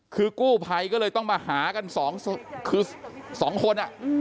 คือกู้ไพก็เลยต้องมาหากัน๒คน